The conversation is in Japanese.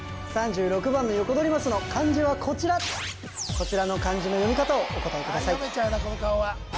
３６番のヨコドリマスの漢字はこちらこちらの漢字の読み方をお答えください